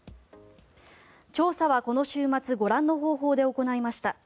調査はこの週末ご覧の方法で行いました。